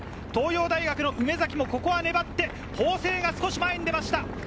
東洋大の梅崎もここは粘って法政が少し前に出ました。